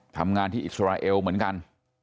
ทำงานที่อิสราเอลเหมือนกัน